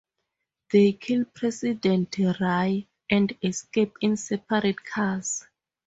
They kill President Rai and escape in separate cars.